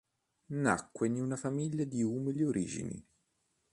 Nacque in una famiglia di umili origini.